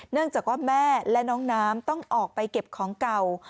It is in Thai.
เนื่องจากว่าแม่และน้องน้ำต้องออกไปเก็บของเก่า